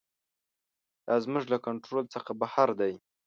دا زموږ له کنټرول څخه بهر دی.